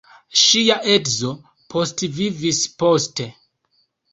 Ŝia edzo postvivis poste.